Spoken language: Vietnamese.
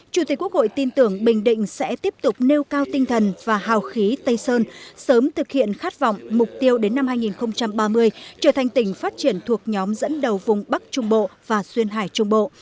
chủ tịch quốc hội tin tưởng bình định sẽ tiếp tục nêu cao tinh thần và hào khí tây sơn sớm thực hiện khát vọng mục tiêu đến năm hai nghìn ba mươi trở thành tỉnh phát triển thuộc nhóm dẫn đầu vùng bắc trung bộ và duyên hải trung bộ